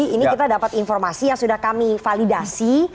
ini kita dapat informasi yang sudah kami validasi